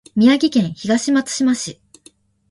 宮城県東松島市